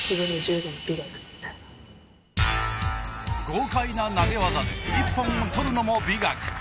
豪快な投げ技で一本を取るのも美学。